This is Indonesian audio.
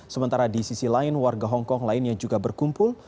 sementara di sisi lain warga hongkong lainnya juga berkumpul